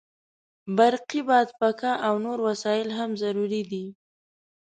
برقي بادپکه او نور وسایل هم ضروري دي.